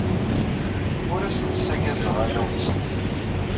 Ur asen-ssaggazeɣ arraw-nsen.